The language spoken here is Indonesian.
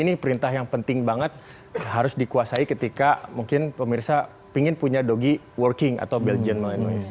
ini perintah yang penting banget harus dikuasai ketika mungkin pemirsa pingin punya dogy working atau bell genese